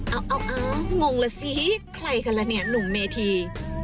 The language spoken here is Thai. เอางงละสิใครกันล่ะเนี่ยหนุ่มเมธี